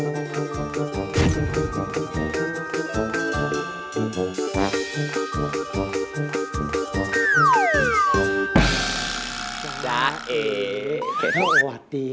มองทำไม